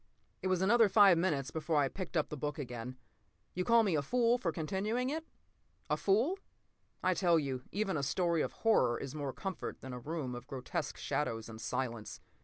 p> It was another five minutes before I picked up the book again. You call me a fool for continuing it? A fool? I tell you, even a story of horror is more comfort than a room of grotesque shadows and silence.